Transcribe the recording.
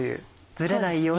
ズレないように。